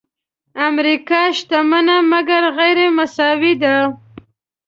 امریکا شتمنه مګر غیرمساوي ده.